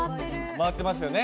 回ってますよね。